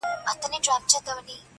له کابله تر بنګاله یې وطن وو؛